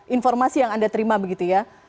informasi yang anda terima begitu ya